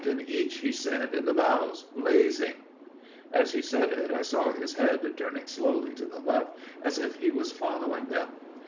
' A light in each/ he said, ' in the bows blazing !'" As he said it I saw his head turning slowly to the left as if he was following them.